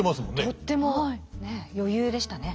とってもねえ余裕でしたね。